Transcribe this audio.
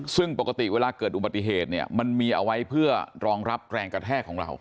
ซึ่งปกติเวลาเกิดอุบัติเหตุเนี่ยมันมีเอาไว้เพื่อรองรับแรงกระแทกของเรา